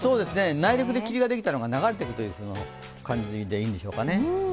内陸で霧ができたのが流れていくという感じでいいでしょうかね。